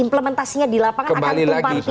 implementasinya di lapangan akan tumpang